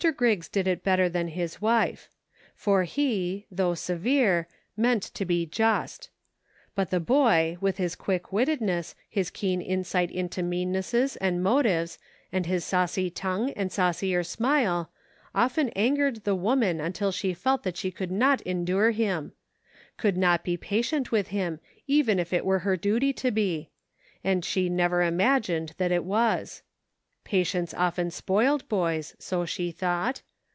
Griggs did it better than his wife. For he, though severe, meant to be just. But the boy, with his quick wittedness, his keen insight into meannesses, and motives, and his saucy tongue, and saucier smile, often angered the woman until she felt that she could not endure him ; could not be patient with him, even if it were her duty to be ; and she never imagined that it was ; patience often spoiled boys, so she thought.